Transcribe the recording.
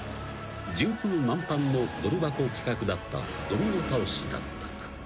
［順風満帆のドル箱企画だったドミノ倒しだったが］